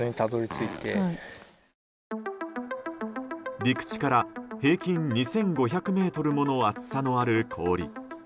陸地から、平均２５００ｍもの厚さのある氷。